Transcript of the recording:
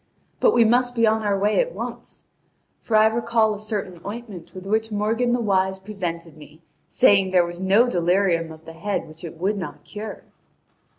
But we must be on our way at once! For I recall a certain ointment with which Morgan the Wise presented me, saying there was no delirium of the head which it would not cure."